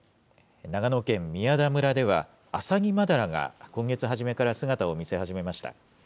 長野県宮田村では、アサギマダラが今月初めから姿を見せ始めました。